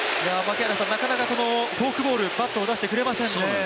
なかなかフォークボールバットを出してくれませんね。